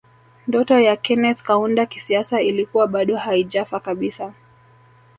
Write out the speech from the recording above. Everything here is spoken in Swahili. Ndoto ya Kenneth Kaunda kisiasa ilikuwa bado haijafa kabisa